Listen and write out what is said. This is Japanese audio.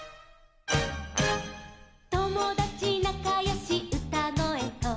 「ともだちなかよしうたごえと」